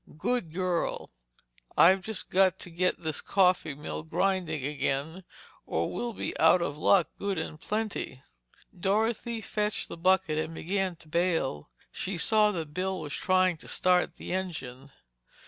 "Good girl! I've just got to get this coffee mill grinding again, or we'll be out of luck good and plenty." Dorothy fetched the bucket and began to bail. She saw that Bill was trying to start the engine.